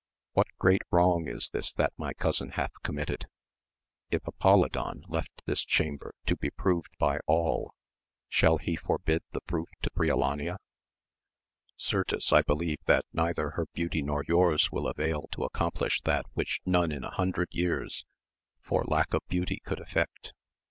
What great wrong is this that my cousin hath committed 1 If Apolidon left this chamber to be proved by all, shall he forbid the proof to Briolania ? Certes I believe that neither her beauty nor yours will avail to accomplish that which none in a hundred years for lack of beauty could effect.